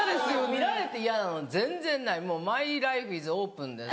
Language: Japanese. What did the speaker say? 見られて嫌なの全然ないマイライフイズオープンです。